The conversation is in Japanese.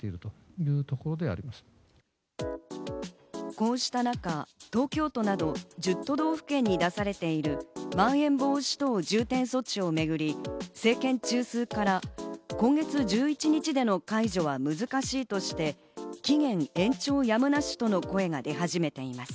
こうした中、東京都など１０都道府県に出されているまん延防止等重点措置をめぐり、政権中枢から今月１１日での解除は難しいとして、期限延長やむなしとの声が出始めています。